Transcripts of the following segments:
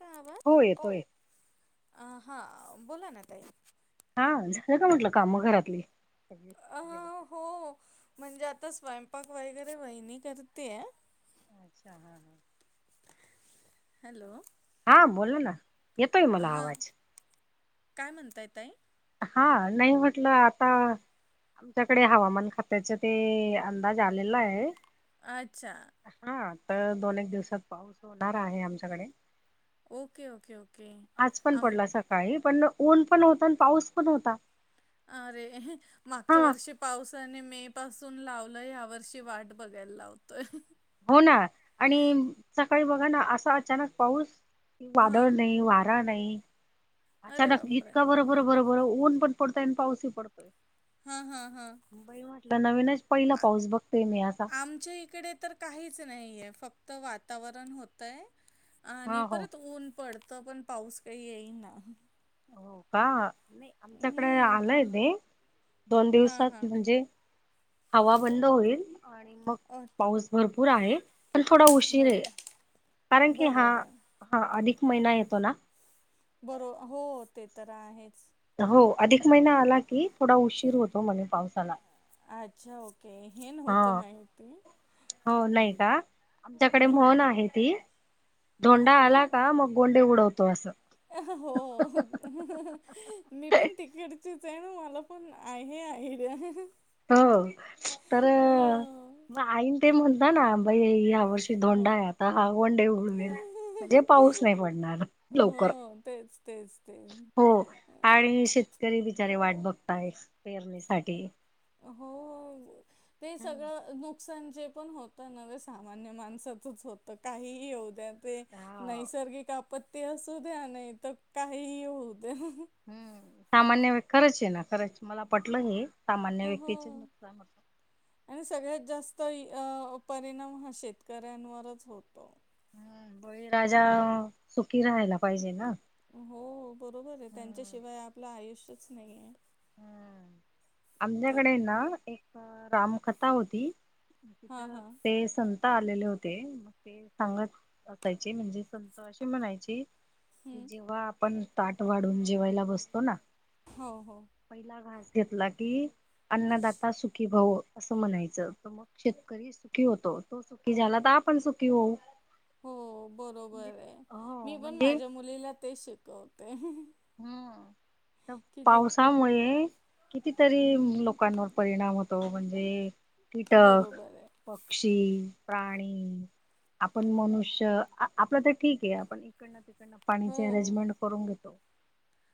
का हो येतोय आवाजय हा बोला ना ताई हा झालं का म्हटलं काम घरातली अ जेवण? हो म्हणजे आता स्वयंपाक वगैरे वहिनी करते आहे अच्छा हां हां हॅलो! ! हा बोला ना येतोय मला हां आवाज काय म्हणता ताई हा नाही म्हटलं आता आमच्याकडे हवामान खात्याच ते अंदाज आलेला आहे अच्छा हा तर दोन एक दिवसात पाऊस होणार आहे आमच्याकडे ओके ओके ओके. आज पण आम पडला सकाळी पण ऊन पण होता आणि पाऊस पण होता. अरे हा मागच्या वर्षी- पावसाने मे पासून लावल या वर्षी वाट बघायला लावतोय. हो ना आणि सकाळी बघा ना असा अचानक पाऊस हा वादळ नाही वारा नाही. अरे अचानक बापरे इतका बरोबर बरं बर बर ऊन पण पडतोय आणि पाऊसही पडतोय. हा हा हा मुबई म्हटलं नवीनच पहिला पाऊस बघतोय मी आाता आमच्या इकडे तर, काहीच नाहीये फक्त वातावरण होतय. हा आणि हो. परत ऊन पडतं पण पाऊस काही येईना. हो का नाही आमच्याकडे हं. आलंय ते, दोन हां, दिवसात हां. म्हणजे हवा बंद होईल. आणि मग अ, पाऊस भरपूर आहे पण थोडा उशीर बरं आहे. कारण की हा बरोबर, हा अधिक महिना येतो ना. बरो हो ते तर आहेच. हो अधिक महिना आला की थोडा उशीर होतो म्हणे पावसाला. अच्छा ओके हे हा नव्हतं माहिती. हो नाही का? आमच्याकडे म्हन नाही. आहे ती आ, धोंडा आला का मग गोंडे उडवतो अस. अ हो. मी पण तिकडचीच आहे ना मला पण आहे आयडिया. हो तर हो, मग आईन ते म्हणत ना बाई या वर्ष. धोंडा हो. आहे आता हवंडे उडवेल म्हणजे पाऊस नाही पडणार लवकर हो तेच तेच तेच हो, आणि अं, शेतकरी बिचारे वाट बघताय, पेरणीसाठी. हो ते सगळं नुक नुकसान जे पण होतं ना, ते सामान्य माणसाचच होतं, काहीही होऊ द्या. ते नैसर्गिक आपत्ती असू द्या, नाही तर काही होऊ द्या. हम्म, सामान्य खरंचे ना खरंचे, मला पटलं हे, सामान्य हो व्यक्तीचे नुकसान होते. आणि सगळ्यात जास्त, अ परिणाम हा शेतकऱ्यांवरच होतो. हम्म बळीराजा सुखी राहायला पाहिजे ना. हो बरोबरे हम्म. त्यांच्याशिवाय आपलं आयुष्यच नाहीये. हम्म, आमच्याकडे ना एक रामकथा होती, तिथ हां हां ते संत आलेले होते, मग ते सांगत असायचे, म्हणजे संत अशी म्हणायची, कि हं. जेव्हा आपण ताट वाढून जेवायला बसतो ना, हो हो. पहिला घास घेतला की, अन्नदाता सुखी भव असं म्हणायचं तर मग शेतकरी सुखी होतो, तो सुखी झाला त आपण सुखी होऊ. हो म्हणजे बरोबरे, मी हो पण म्हणजे माझ्या मुलीला तेच शिकवते. हम्म, त की जे पावसामुळे, कितीतरी हं, लोकांवर परिणाम होतो, म्हणजे कीटक, बरोबर आहे. पक्षी, प्राणी आपण मनुष्य आपलं त ठीके, आपण इकडनं तिकडनं हो पाणीचे अरेंजमेंट करून घेतो.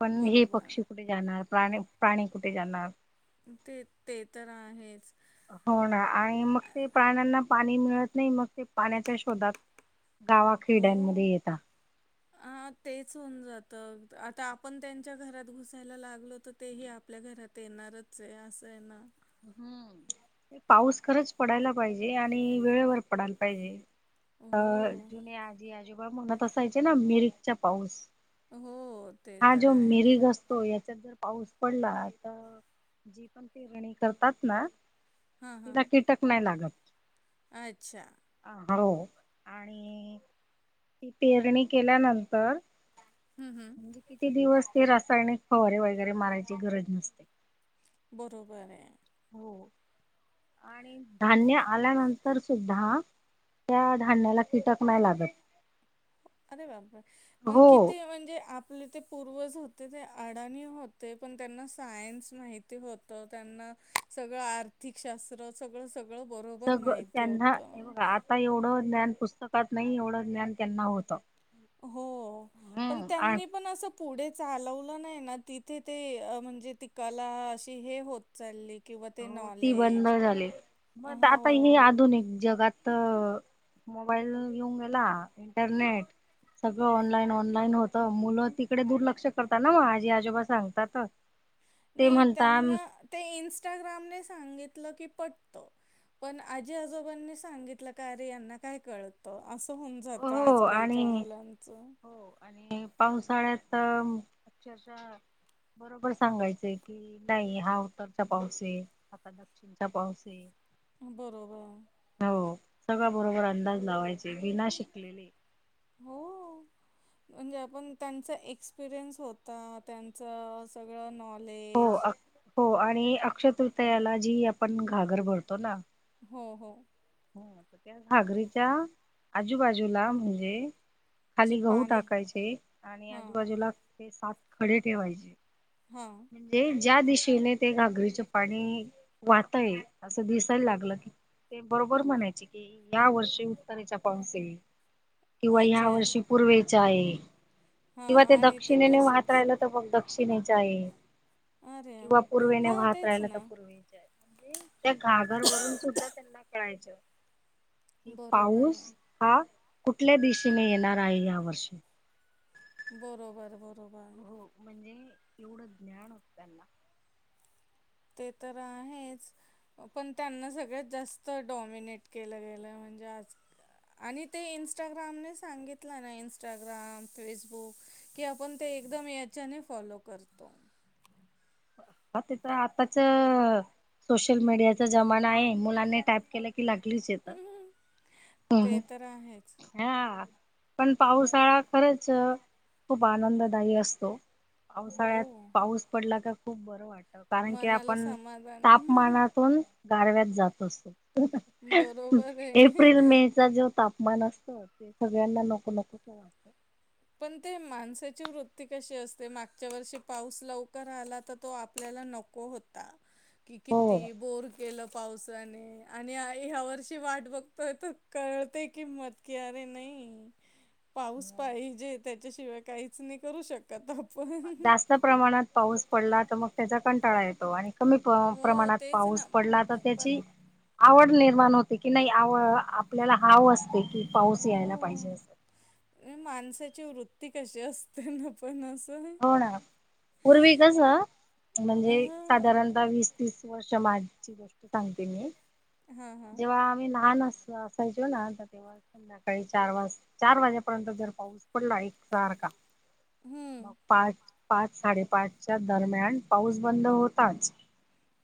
पण हे बरोबर पक्षी कुठे जाणार, प्राणी प्राणी कुठे जाणार. ते ते तर आहेच. हो ना, आणि मग ते प्राण्यांना पाणी मिळत नाही, मग ते पाण्याच्या शोधात गावाखेड्यांमध्ये येता. हा तेच होऊन जात, आता आपण त्यांच्या घरात घुसायला लागलो त तेही आपल्या घरात येणारचे असंये ना. ह पाऊस खरंच पडायला पाहिजे, आणि वेळेवर पडायला पाहिजे. अ हो. जुने आजी आजोबा म्हनात असायचे ना, मिरिगचा पाऊस. हो ते हा तर जो आहे. मिरिग याच्यात जर पाऊस पडला त, जी पण पेरणी करतात ना, हां तिला हां कीटक नाही लागत. अच्छा. अ हो आणि, ती पेरणी केल्यानंतर, हम्म हम्म. म्हणजे किती दिवस ते रासायनिक फवारे वगैरे मारायची गरज नसते. बरोबरे. हो. आणि धान्य आल्यानंतर सुद्धा, त्या धान्याला कीटक नाही लागत. अरे बापरे, पण हो किती म्हणजे आप आपले ते पूर्वज होते ते अडाणी होते, पण त्यांना सायन्स माहित होत त्यांना सगळं, आर्थिक शास्त्र सगळंच सगळं बरोबर सगळं माहिती त्यांना हे होतं. बघा आता एवढं ज्ञान पुस्तकात नाही, एवढं ज्ञान त्यांना होतं. हो पण हम्म आणि त्यांनी पण असं, पुढे चालवलं नाही ना, तिथे ते म्हणजे ती काला अशी हे होत, चालले, किंवा ते हो ती बंद नॉलेज. झाली, मग आता हे हो. आधुनिक जगात तर मोबाईल येऊन गेला, इंटरनेट, सगळं ऑनलाईन, ऑनलाईन होतं, मुलं तिकडे दुर्लक्ष करतात ना म, आजी आजोबा सांगतात. ते नाही म्हणता त्यांना, ते इनंस्टाग्रामने सांगितलं की पटत. पण आजी आजोबांनी सांगितलं का? अरे यांना काय कळतं असं होऊन जातं, हो आज खलच्या आणि मुलांचं हो आणि पावसाळ्यात अचरच्या बरोबर सांगायच कि नाही हा उतरचा पाऊस आहे आता म चिंचा पावस बरोबर हो सगळ बरोबर अंदाज लावायचे वििना शिकलेले हो म्हणजे आपण त्यांचा एक्सपिरियन्स होता त्यांचा सगळं हो नॉलेज अ हो आणि अक्ष तृतीयाला जी आपण घागर भरतो ना हो हो ह त्या घगरीच्या आजूबाजूला म्हणजे जे खाली गहू पाणी टाकायचे आणि हां आजूबाजूला ते सात खडे ठेवायचे हा म्हणजे ज्या दिशेने ते घागरीच पाणी वाातय असं दिसायला लागलं की ते बरोबर हां म्हणायची की या वर्षी उत्तरेच्या पावसे किंवा या अच्छा वर्षी पूर्वेचा आहे किंवा ते हां आणि दक्षिणेने वाहत तसंच राहिलं तर मग दक्षिणेच आहे अरे किंवा पूर्वेने हां वाहत तेच राहिला तर ना पूर्वेण त्या घाघर वरून सुद्धा त्यांना करायच बरोबर पाऊस आहे हा कुठल्या दिशेने येणार आहे या वर्षी बरोबर बरोबर हो म्हणजे एवढं ज्ञान होताना ते तर आहेच पण त्यांना सगळ्यात जास्त डॉमिनेट केलं गेलं म्हणजे आज आणि ते इं्स्टाग्रामने सांगितलं ना इनस्टाग्राम फेसबुक की आपण ते एकदम याच्याने फॉलो करतो आ ते तर आताच सोशल मीडियाचा जमाना आहे मुलांनी टाईप केला की लागलीच येत हम्म. ते तर आहेच. पावसाळाआनंददायीक असतो. हो पावसाळ्यात पाऊस पडला. तर खूप बरं वाटतं. कारण मनाला समाधान तापमानात फरक पडतो. गारवा जास्त असतो. बरोबर आहे. एप्रिल मे जो तापमान असतो. तो सगळ्यांना नको नको वाटतो. माणसाची वृत्ती कशी असते. मागच्या वर्षी पाऊस लवकर आला तर तो आपल्याला नकोस वाटतं तो होता हो. किती बोर केलं तर पावसाची किंमत कळते यावर्षी पाऊस नाही तर पाऊस पाहिजे त्याच्याशिवाय काहीच नाही करू शकत आपण जास्तप्रमाणात पाऊस पडला तर त्याचा कंटाळा येतो. आणि कमी हो प्रमाणात तेच पाऊस ना पडला तर पण त्याची आवड निर्माण होते की नाही आपल्याला हव असते की पाऊस हो यायला पाहिजे. माणसाची वृत्ती कशी असते तेना पणास हो ना पूर्वी कसं म्हणजे आ साधारणतः वीस तीस वर्ष माझची गोष्ट सांगते मी हां हां जेव्हा आम्ही लहान होतो. सकाळी असाच. चार वाजेपर्यंत पाऊस पडला एक सारखा. हम्म आज पाच साडेपाचच्या दरम्यान पाऊस बंद होताच.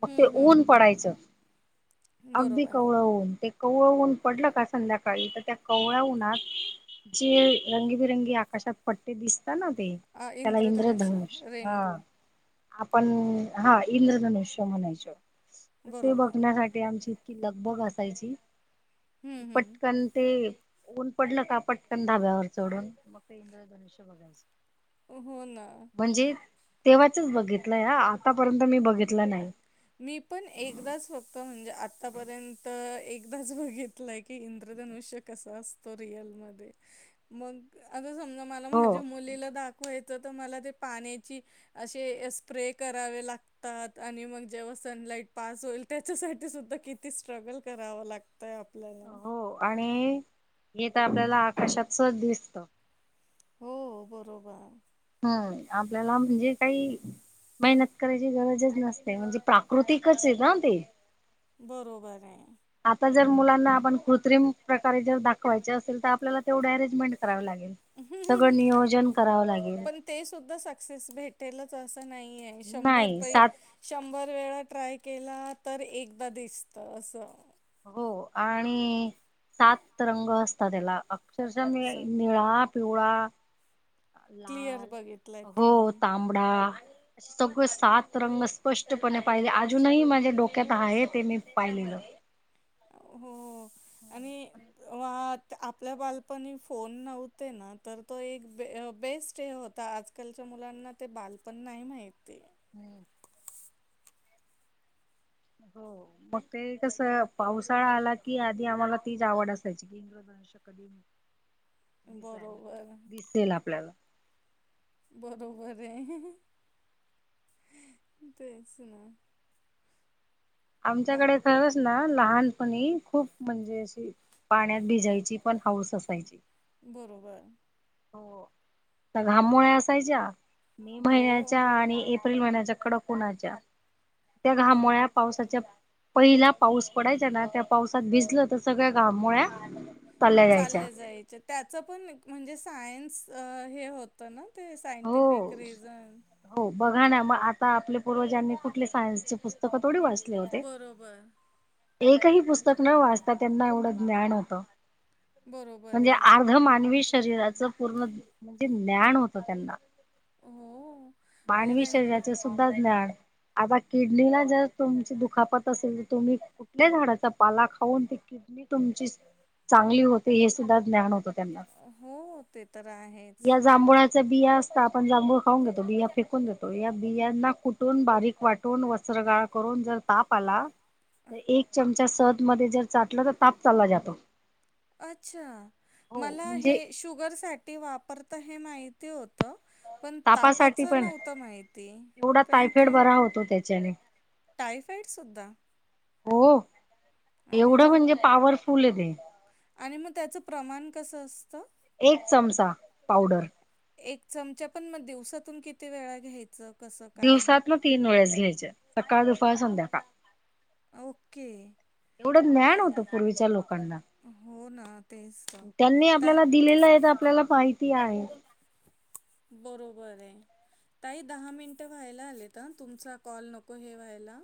मग कवळ हम्म ऊन हम्म पडायचं. अगदी बरोबर आहे कवळं ऊन पडलं का संध्याकाळी तर त्या कवळ्या उन्हत आकाशात रंगीबिरंगी पट्टे दिसतात ते. अ, त्याला इंद्रधनुष्य रेनबो म्हणतात. आपण हा इंद्रधनुष्य म्हणायचो. ते बरोबर. बघण्यासाठी आमची इतकी लगबग असायची हं, हं. पटकन ते ऊन पडलं का पटकन धाब्यावर चढून मग ते इंद्रयधनुष्य बघायचं. हो. ना. म्हणजे तेव्हाचचं बघितलं आतापर्यंत मी बघितलं नाही. मी पण एकदाच फक्त म्हणजे आतापर्यंत एकदाच बघितलंय कि इंद्रधनुष्य. कसं असतं रियल मध्ये मग आता समजा मला हो. माझ्या मुलीला दाखवाय. [unintelligible] मला पाण्याचे आशे स्प्रे करावे लागतात. आणि मग जेव्हा सनलाइट पास होईल. त्याच्यासाठी सुद्धा किती स्ट्रगल करावं लागतय आपल्याला हो आणि इथं आपल्याला आकाशात सहज दिसतं. हो! बरोबर हम्म आपल्याला म्हणजे काही मेहनत करायची गरजच नसते म्हणजे प्राकृतिकचय ना ते. बरोबर आहे. आता जर मुलांना आपण कृत्रिम प्रकारे जर दाखवायचे असेल. तर आपल्याला तेवढं अरेंजमेंट करावी लागेल. सगळं नियोजन करावं लागेल. पण ते सुद्धा सक्सेस भेटेलच असं नाहीय शंभर नाही पै सात शंभर वेळा ट्राय केला तर एकदा दिसतं असं हो आणि सातरंग असतात त्याला अक्षरशः असं निळा पिवळा, क्लिअर लाल बघितलंय तुम्ही हो तांबडा. सगळं सात रंग स्पष्टपणे पाहिले. अजूनही माझ्या डोक्यात आहे. ते मी पाहिलेलं. हो. आणि हा आपल्या बालपणी फोन नव्हते ना तर तो एक बेस्ट हे होता. आजकालच्या मुलांना ते बालपण नाही माहिती. हम्म [unintelligible] हो मग ते कसं पावसाळा आला की आधी आम्हाला तीच आवड असायची. कधी दिसा [unintelligible] बरोबर दिसेल आपल्याला बरोबर आहे. [inaudible] तेच ना बाक आमच्याकडे खरच ना लहानपणी खूप म्हणजे अशी पाण्यात भिजायची पण हाऊस असायची. बरोबर हो घामोळ्या असायच्या मे हो महिन्याच्या आणि ए अप्रिल महिन्याच्या कडक उन्हाच्या त्या बरोबर घामुळ्या पावसाच्या पहिला पाऊस पडायचा ना त्या पावसात भिजलं तर सगळ्या घामुळ्या चालल्या जायच्या त्याच पण म्हणजे सायन्स हे हो होतं ना ते हो सायंटिफिक रिजन? हो बघा ना मग आता आपल्या पूर्वजांनी कुठले सायन्सची पुस्तकं थोडी वाचली. बरोबर एकही पुस्तक न वाचता त्यांना एवढं ज्ञान होतं. बरोबर म्हणजे आहे. अर्ध मानवी शरीराचं पूर्ण म्हणजे ज्ञान होतं त्यांना हो. म्हणजे मानवी त्यां शरीराचे सुद्धा ज्ञान आता किडनीला जर तुमची दुखापत असेल. तर तुम्ही कुठल्या झाडाचा पाला खाऊन ती किडनी तुमची चांगली होते हे सुद्धा ज्ञान होतं. त्यांना हो. ते तर आहेच. त्या बिया असता आपण जांभूळ खाऊ घेतो बिया फेकून घेतो या बियांना कुटून बारीक वाटून वाटून वस्त्रगाळ करून जर ताप आला तर एक चमचा सध मध्ये जर चाटलं तर ताप चालला जातो अच्छा! हो मला हे म्हणजे शुगरसाठी वापरतं हे माहिती ते होत पण तापाच तापासाठी पण नव्हतं माहिती एवढा थँक टायफाईड यू. बरा होतो त्याच्याने टायफाईडसुद्धा? हो अरे एवढं वाह! म्हणजे पॉवरफुल हे ते आणि मग त्याचं प्रमाण कसं असतं? एक चमचा, पावडर एक चमचा पण मग दिवसातून किती वेळा घ्यायचं? कसं काय? दिवसात ना तीन वेळेस घ्यायचे सकाळ, दुपार, संध्याकाळ. ओके एवढं आ, ज्ञान होतं पूर्वीच्या लोकांना हो ना तेच तर त्यांनी त्या आपल्याला दिलेलं आहे तर, आपल्याला माहिती आहे. बरोबर आहे ताई दहा मिनटं व्हायला आलेत तुमचा कॉल नको हे व्हायला